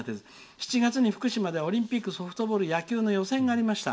「７月に福島でオリンピックの野球の予選がありました。